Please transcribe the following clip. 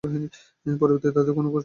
পরবর্তীতে তার কোন খোঁজ পাওয়া যায়নি।